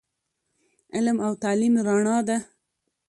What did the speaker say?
علم او تعليم رڼا ده